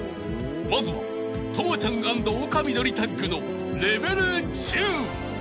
［まずは朋ちゃん＆丘みどりタッグのレベル１０］